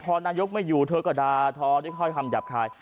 พอนายกไม่อยู่เธอก็ดาทอด้วยค่อยคำหยาบคาย